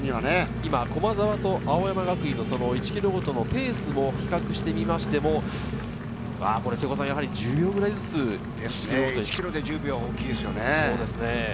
今、駒澤と青山学院の差、１ｋｍごとのペースを比較してみましても、１ｋｍで１０秒は大きいですね。